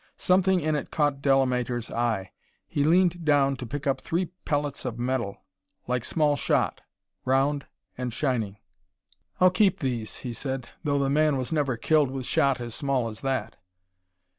Something in it caught Delamater's eye. He leaned down to pick up three pellets of metal, like small shot, round and shining. "I'll keep these," he said, "though the man was never killed with shot as small as that."